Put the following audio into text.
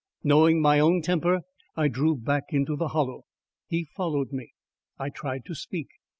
Knowing my own temper, I drew back into the Hollow. He followed me. I tried to speak.